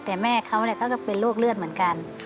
แต่แม่เขาก็เป็นโรคเลือดเหมือนกัน